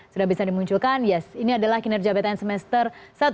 sudah bisa dimunculkan yes ini adalah kinerja bpn semester satu dua ribu enam belas